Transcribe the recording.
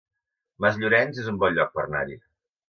Masllorenç es un bon lloc per anar-hi